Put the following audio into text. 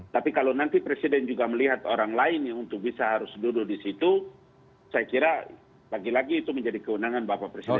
tapi kalau nanti presiden juga melihat orang lain yang untuk bisa harus duduk di situ saya kira lagi lagi itu menjadi kewenangan bapak presiden